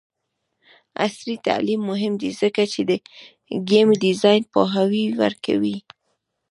عصري تعلیم مهم دی ځکه چې د ګیم ډیزاین پوهاوی ورکوي.